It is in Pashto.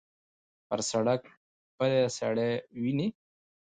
پر سړک پلی سړی وینې.